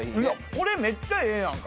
これめっちゃええやんか！